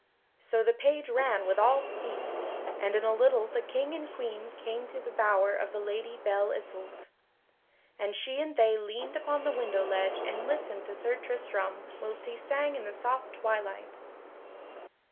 So the page ran with all speed, and in a little the King and Queen came to the bower of the Lady Belle Isoult; and she and they leaned upon the window ledge and listened to Sir Tristram whilst he sang in the soft twilight.